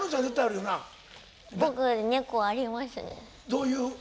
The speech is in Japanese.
どういう？